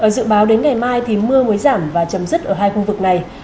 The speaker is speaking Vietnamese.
dự báo đến ngày mai thì mưa mới giảm và chấm dứt ở hai khu vực này